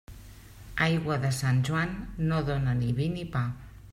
Aigua de Sant Joan, no dóna ni vi ni pa.